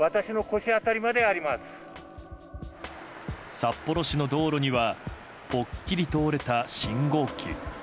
札幌市の道路にはぽっきりと折れた信号機。